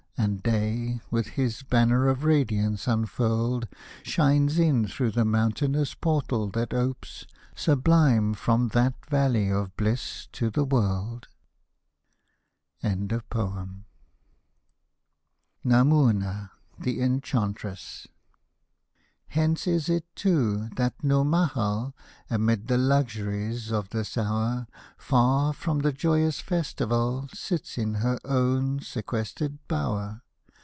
And Day, with his banner of radiance unfurled, Shines in through the mountainous portal that opes. Sublime, from that Valley of bliss to the world ! NAMOUNA, THE ENCHANTRESS Hence is it, too, that Nourmahal, Amid the luxuries of this hour Far from the joyous festival, Sits in her own sequestered bower.